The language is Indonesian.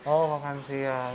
oh makan siang